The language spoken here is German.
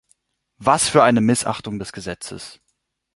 Was für eine Missachtung des Gesetzes!